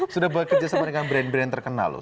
sudah bekerja sama dengan brand brand terkenal loh